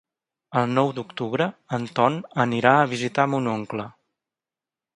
El nou d'octubre en Ton anirà a visitar mon oncle.